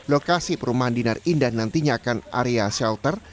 lokasi perumahan dinar indah nantinya akan area shelter